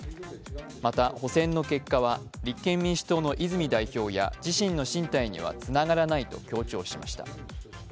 また補選の結果は立憲民主党の泉代表や自身の進退にはつながらないと強調しました。